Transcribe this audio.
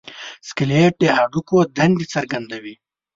سکلیټ د هډوکو دندې څرګندوي.